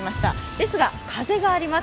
ですが、風があります。